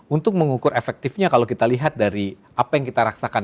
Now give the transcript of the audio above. untuk mengukur efektifnya kalau kita lihat dari apa yang kita rasakan